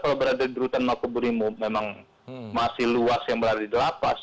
kalau berada di rutan makobrimo memang masih luas yang berada di lapas